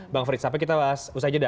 bang frits sampai kita bahas usai jeda